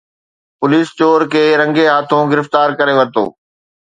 police چور کي رنگي ہاتھوں گرفتار ڪري ورتو